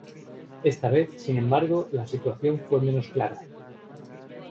Esta vez, sin embargo, la situación fue menos clara.